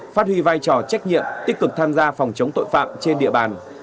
phát huy vai trò trách nhiệm tích cực tham gia phòng chống tội phạm trên địa bàn